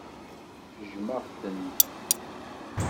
Jjmeɣ-tent.